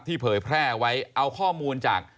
เผยแพร่ไว้เอาข้อมูลจาก